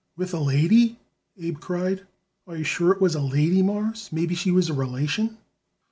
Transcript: "With a lady?" Abe cried. "Are you sure it was a lady, Mawruss? Maybe she was a relation."